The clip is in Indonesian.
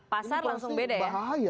pasarnya langsung beda ya